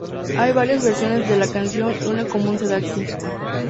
Hay varias versiones de la canción y una común se da aquí.